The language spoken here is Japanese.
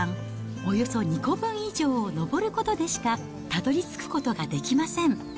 およそ２個分以上を上ることでしかたどりつくことができません。